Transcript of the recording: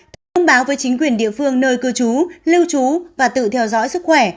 thông báo với chính quyền địa phương nơi cư trú lưu trú và tự theo dõi sức khỏe